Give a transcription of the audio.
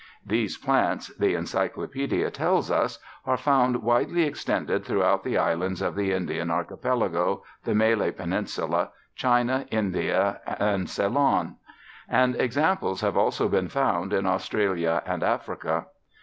These plants, the Encyclopedia tells us, are found widely extended throughout the islands of the Indian Archipelago, the Malay Peninsula, China, India and Ceylon; and examples have also been found in Australia and Africa.